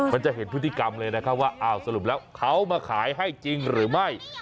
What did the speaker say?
มันจะเห็นพฤติกรรมเลยนะครับว่าอ้าวสรุปแล้วเขามาขายให้จริงหรือไม่